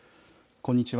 こんにちは。